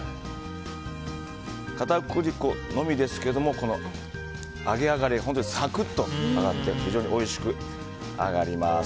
片栗粉のみですけど揚げ上がりがサクッと揚がって非常においしく揚がります。